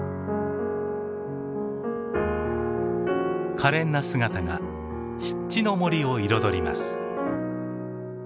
かれんな姿が湿地の森を彩ります。